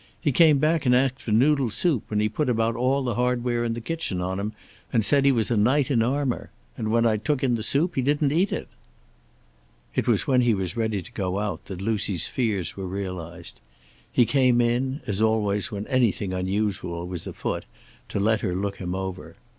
"He came back and asked for noodle soup, and he put about all the hardware in the kitchen on him and said he was a knight in armor. And when I took the soup in he didn't eat it." It was when he was ready to go out that Lucy's fears were realized. He came in, as always when anything unusual was afoot, to let her look him over.